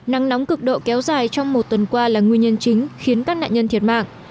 nắng nóng cực độ kéo dài trong một tuần qua là nguyên nhân chính khiến các nạn nhân thiệt mạng